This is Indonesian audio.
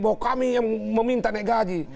bahwa kami yang meminta negaji